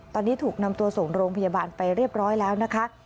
ตอนนี้ถูกนำตัวส่งโรงพยาบาลไปเรียบร้อยแล้วนะคะ